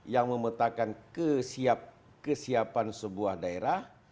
yang memetakan kesiapan sebuah daerah